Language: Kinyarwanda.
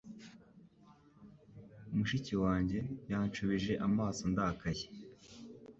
Mushiki wanjye yanshubije amaso ndakaye.